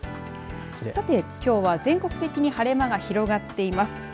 さて、きょうは全国的に晴れ間が広がっています。